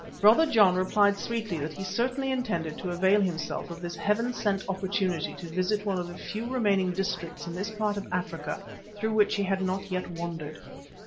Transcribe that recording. Brother John replied sweetly that he certainly intended to avail himself of this heaven sent opportunity to visit one of the few remaining districts in this part of Africa through which he had not yet wandered.